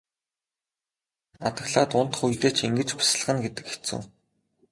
Адаглаад унтах үедээ ч ингэж бясалгана гэдэг хэцүү.